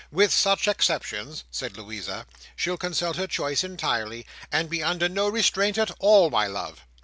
"With such exceptions," said Louisa, "she'll consult her choice entirely, and be under no restraint at all, my love."